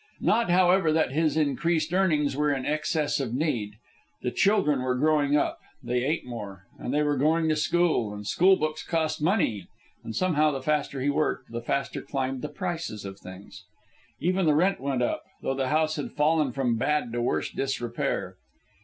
Not, however, that his increased earnings were in excess of need. The children were growing up. They ate more. And they were going to school, and school books cost money. And somehow, the faster he worked, the faster climbed the prices of things. Even the rent went up, though the house had fallen from bad to worse disrepair.